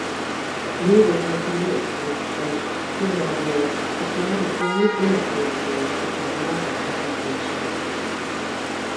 Jūdažos ir ļoti slikts ceļš. Izrādījās, ka Kārļa plāns neaprobežojas tikai ar Mālpils apmeklēšanu.